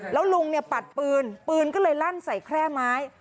แล้วลุงเนี่ยปัดปืนปืนก็เลยลั่นใส่แคร่ไม้